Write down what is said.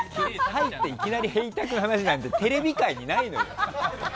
入っていきなりヘイタクの話なんてテレビ界にないのよ！